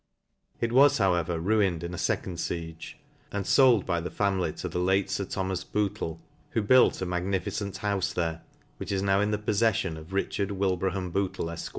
It was, how ever, ruined in a fecond fiege; and fold by the family to the late Sir Thomas Bootle, who built a magnificent houfe there, which is now in the poffeffion of Richard IVilhraham Booth, Efq.